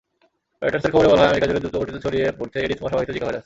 রয়টার্সের খবরে বলা হয়, আমেরিকাজুড়ে দ্রুতগতিতে ছড়িয়ে পড়ছে এডিস মশাবাহিত জিকা ভাইরাস।